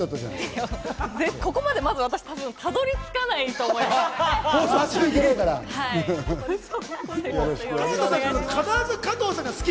まずここにたどり着かないと思います。